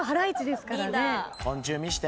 「昆虫」見せて。